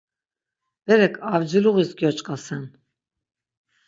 Berek avciluğis gyoç̌ǩasen.